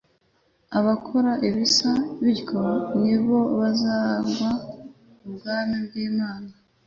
"Abakora ibisa bityo ntibazaragwa ubwami bw'Imana.